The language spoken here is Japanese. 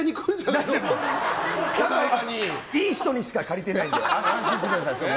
いい人にしか借りてないので安心してください。